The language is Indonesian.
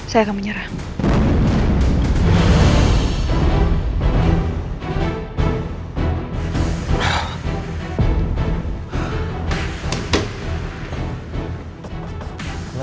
saya akan menyerang